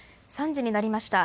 ３時になりました。